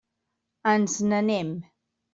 Ens n'anem.